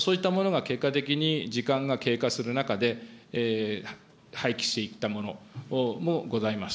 そういったものが結果的に時間が経過する中で、廃棄していったものもございました。